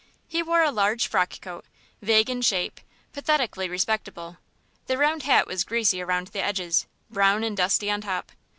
He wore a large frock coat, vague in shape, pathetically respectable. The round hat was greasy round the edges, brown and dusty on top.